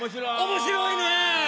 面白いね！